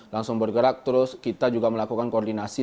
langsung bergerak terus kita juga melakukan koordinasi